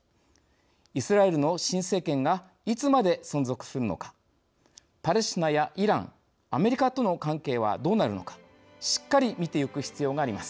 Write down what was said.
イスラエルの新政権がいつまで存続するのかパレスチナやイランアメリカとの関係はどうなるのかしっかり見てゆく必要があります。